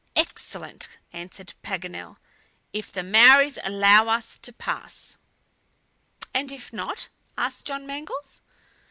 "Excellent," answered Paganel, "if the Maories allow us to pass." "And if not?" asked John Mangles.